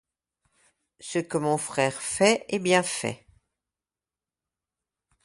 Ce que mon frère fait est bien fait.